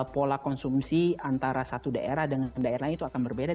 pola konsumsi antara satu daerah dengan daerah itu akan berbeda